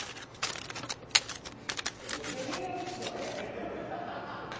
ベリーアグーッド。